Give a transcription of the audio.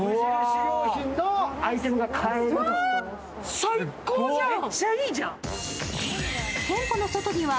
最高じゃん！